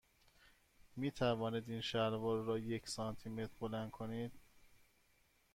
می توانید این شلوار را یک سانتی متر بلند کنید؟